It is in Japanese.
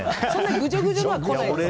ぐじょぐじょのは来ないですけど。